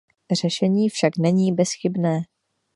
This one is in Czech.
Řešení však není bezchybné.